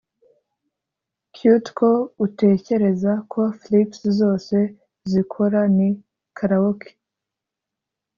cute ko utekereza ko flips zose zikora ni karaoke.